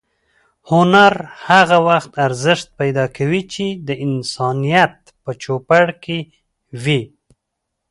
هنر هغه وخت ارزښت پیدا کوي چې د انسانیت په چوپړ کې وي.